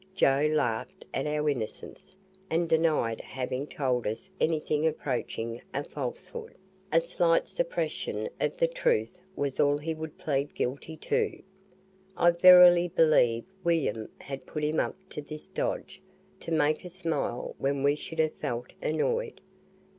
Joe laughed at our innocence, and denied having told us anything approaching a falsehood; a slight suppression of the truth was all he would plead guilty to. I verily believe William had put him up to this dodge, to make us smile when we should have felt annoyed.